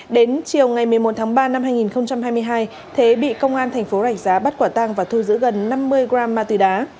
đến chiều ngày một mươi một tháng ba năm hai nghìn hai mươi hai thế bị công an thành phố rạch giá bắt quả tang và thu giữ gần năm mươi gram ma túy đá